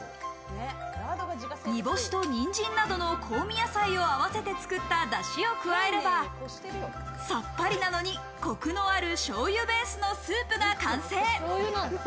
煮干しとニンジンなどの香味野菜を合わせて作った出汁を加えれば、さっぱりなのにコクのある醤油ベースのスープが完成。